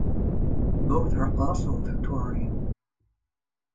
Both are also Victorian.